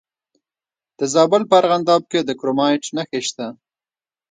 د زابل په ارغنداب کې د کرومایټ نښې شته.